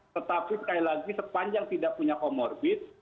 tetapi sekali lagi sepanjang tidak punya comorbid